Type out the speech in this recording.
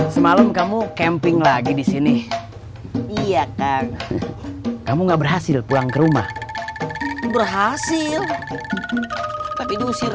semalam kamu camping lagi di sini iya kan kamu nggak berhasil pulang ke rumah berhasil tapi diusir